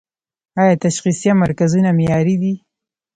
آیا تشخیصیه مرکزونه معیاري دي؟